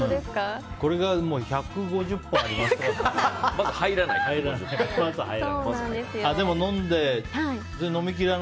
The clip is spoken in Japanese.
これが１５０本ありますとかだったら。